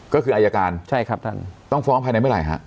ก็คือไอ้อาการต้องฟ้องภายในเมื่อไหร่ฮะ